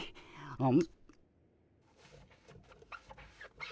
うん。